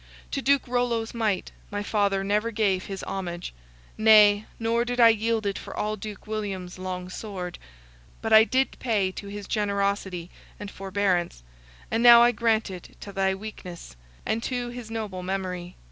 To Duke Rollo's might, my father never gave his homage; nay, nor did I yield it for all Duke William's long sword, but I did pay it to his generosity and forbearance, and now I grant it to thy weakness and to his noble memory.